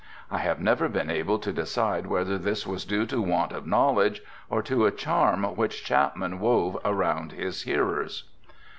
I have never been able to decide whether this was due to want of knowledge or to a charm which Chapman wove around his hearers.